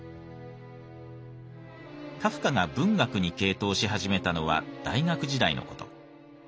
カフカが文学に傾倒し始めたのは大学時代の事。